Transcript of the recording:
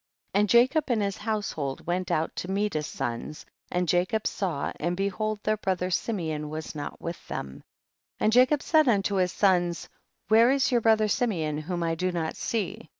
54. And Jacob and his household went out to meet his sons, and Jacob saw and behold their brother Simeon was not with them, and Jacob said unto his sons, where is your brother Simeon, whom I do not see